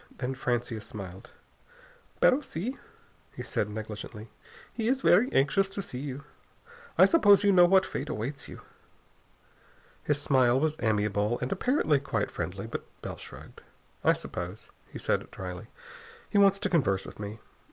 Then Francia smiled. "Pero si," he said negligently, "he is very anxious to see you. I suppose you know what fate awaits you?" His smile was amiable and apparently quite friendly, but Bell shrugged. "I suppose," he said dryly, "he wants to converse with me.